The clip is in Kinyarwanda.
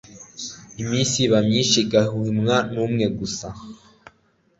iminsi iba myinshi igahimwa n'umwe gusa